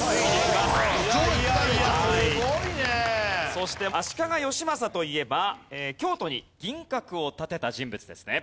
そして足利義政といえば京都に銀閣を建てた人物ですね。